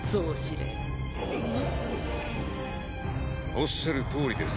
おっしゃるとおりです。